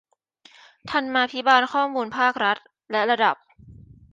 ธรรมาภิบาลข้อมูลภาครัฐ และระดับ